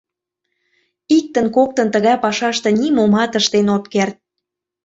Иктын-коктын тыгай пашаште нимомат ыштен от керт.